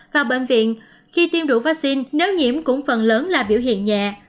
vào bệnh viện khi tiêm đủ vaccine nếu nhiễm cũng phần lớn là biểu hiện nhẹ